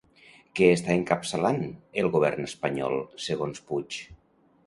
Què està encapçalant el govern espanyol, segons Puig?